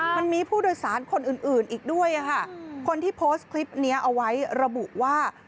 มันมีผู้โดยสารคนอื่นอีกด้วยค่ะคนที่โพสต์คลิปนี้เอาไว้ระบุว่า